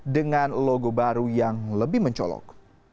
dengan logo baru yang lebih mencolok